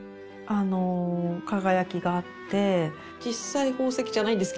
輝きがあって実際宝石じゃないんですけどね。